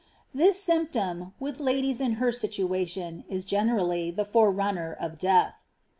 This symptom, with ladies in her situation, is generally the forerunner of death.